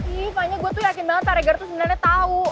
ih dipanya gue tuh yakin banget taregar tuh sebenernya tau